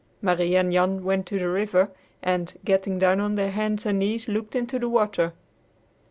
Marie and Jan went to the river, and, getting down on their hands and knees, looked into the water.